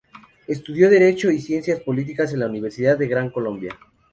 Estudió Derecho y Ciencias Políticas en Universidad La Gran Colombia.